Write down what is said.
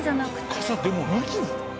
傘でもないんだ。